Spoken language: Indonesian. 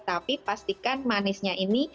tapi pastikan manisnya ini